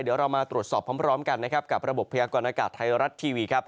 เดี๋ยวเรามาตรวจสอบพร้อมกับระบบพยากรณากาศไทยรัฐทีวี